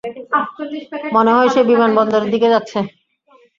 মনে হয় সে বিমানবন্দরের দিকে যাচ্ছে।